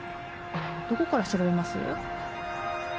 どこから調べます？